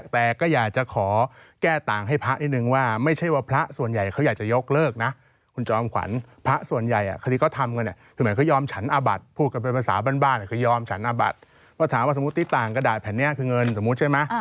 ถ้าถามว่าสมมุติต่างก็ได้แผ่นนี้คือเงินสมมุติใช่ไหม